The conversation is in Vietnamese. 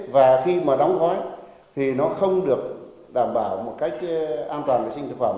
và khi mà đóng gói thì nó không được đảm bảo một cách an toàn vệ sinh thực phẩm